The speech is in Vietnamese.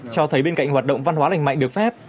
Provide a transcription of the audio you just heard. cho thấy bên cạnh hoạt động văn hóa lành mạnh được phép